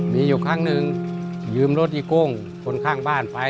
มีอยู่ครั้งหนึ่งยืมรถอีโก้งคนข้างบ้านไป